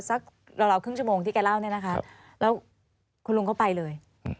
ราวครึ่งชั่วโมงที่แกเล่าเนี่ยนะคะแล้วคุณลุงก็ไปเลย